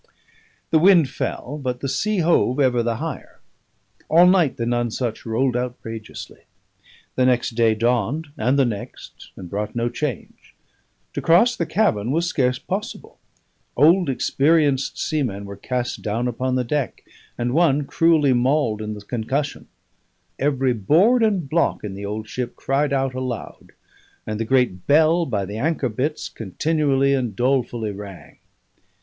The wind fell, but the sea hove ever the higher. All night the Nonesuch rolled outrageously; the next day dawned, and the next, and brought no change. To cross the cabin was scarce possible; old experienced seamen were cast down upon the deck, and one cruelly mauled in the concussion; every board and block in the old ship cried out aloud; and the great bell by the anchor bitts continually and dolefully rang.